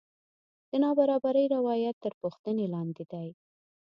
د نابرابرۍ روایت تر پوښتنې لاندې دی.